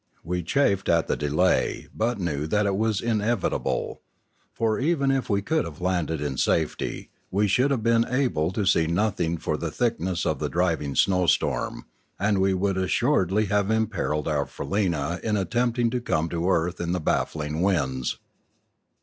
We chafed at the delay but knew that it was inevitable; for even if we could have landed in safety, we should have been able to see nothing for the thickness of the driving snowstorm, and we would assuredly have im perilled our faleena in attempting to come to earth in the baffling winds.